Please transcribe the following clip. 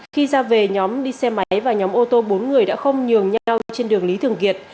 khi ra về nhóm đi xe máy và nhóm ô tô bốn người đã không nhường nhau trên đường lý thường kiệt